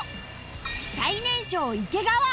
最年少池川